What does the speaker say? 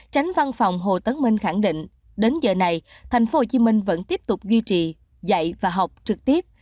chánh văn phòng hồ tấn minh khẳng định đến giờ này thành phố hồ chí minh vẫn tiếp tục duy trì dạy và học trực tiếp